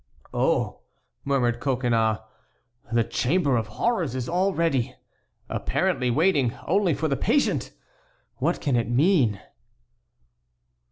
"Oh!" murmured Coconnas, "the chamber of horrors is all ready, apparently waiting only for the patient! What can it mean?"